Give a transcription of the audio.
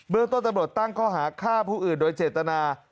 เรื่องต้นตำรวจตั้งข้อหาฆ่าผู้อื่นโดยเจตนา